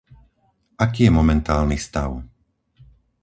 Aký je momentálny stav?